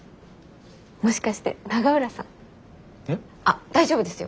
もしかして永浦さん？え？大丈夫ですよ。